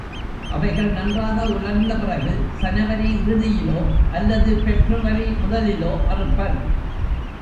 அவைகள் நன்றாக உலர்ந்த பிறகு சனவரி இறுதியிலோ அல்லது ஃபெப்ருவரி முதலிலோ அறுப்பர்.